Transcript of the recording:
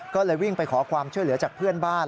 ก็เลยวิ่งไปขอความช่วยเหลือจากเพื่อนบ้าน